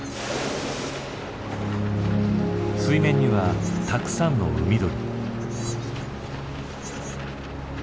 水面にはたくさんの海鳥。